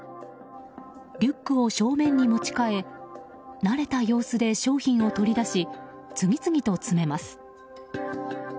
リュックを正面に持ち替え慣れた様子で商品を取り出し次々と詰めます。